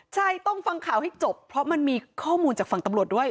ใช่ต้องฟังข่าวให้จบเพราะมันมีข้อมูลจากฝั่งตำรวจด้วย